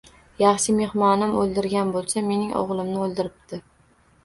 Yaxshi, mehmonim o’ldirgan bo’lsa, mening o’g’limni o’ldiribdi.